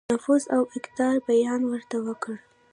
نفوذ او اقتدار بیان ورته وکړ.